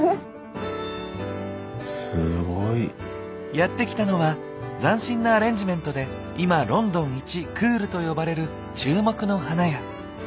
やって来たのは斬新なアレンジメントで今ロンドン一クールと呼ばれる注目の花屋。